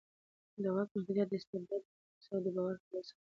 د واک محدودیت د استبداد مخه نیسي او د باور فضا ساتي